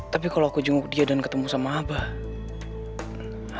tapi kalau aku jenguk dia dan ketemu sama abah